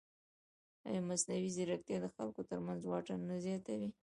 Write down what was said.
ایا مصنوعي ځیرکتیا د خلکو ترمنځ واټن نه زیاتوي؟